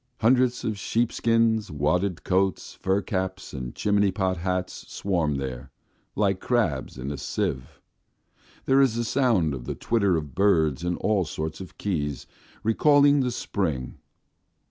Hundreds of sheepskins, wadded coats, fur caps, and chimneypot hats swarm there, like crabs in a sieve. There is the sound of the twitter of birds in all sorts of keys, recalling the spring.